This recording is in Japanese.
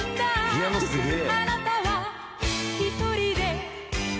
ピアノすげえ。